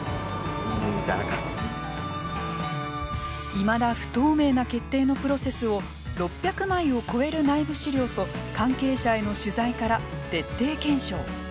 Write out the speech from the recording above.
いまだ不透明な決定のプロセスを６００枚を超える内部資料と関係者への取材から徹底検証。